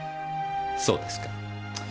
そうですか。